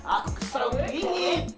aku kesal dingin